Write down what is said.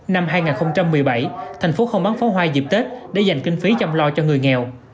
năm hai nghìn một mươi bảy thành phố không bán pháo hoa dịp tết để dành kinh phí chăm lo cho người nghèo